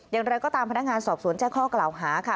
อย่างไรก็ตามพนักงานสอบสวนแจ้งข้อกล่าวหาค่ะ